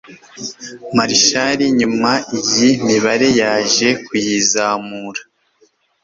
Marshall nyuma iyi mibare yaje kuyizamura